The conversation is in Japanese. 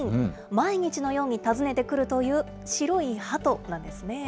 毎日のように訪ねてくるという白いハトなんですね。